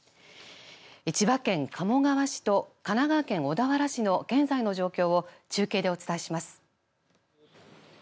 千葉県鴨川市と神奈川県小田原市の現在の状況を中継でお伝えします。